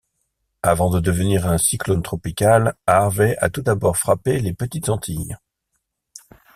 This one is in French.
Avant de devenir un cyclone tropical, Harvey a tout d'abord frappé les Petites Antilles.